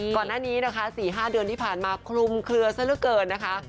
ก่อนหน้านี้นะคะ๔๕เดือนที่ผ่านมาคลุมเคลือซะเหลือเกินนะคะ